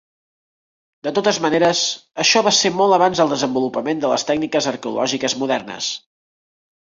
De totes maneres, això va ser molt abans del desenvolupament de les tècniques arqueològiques modernes.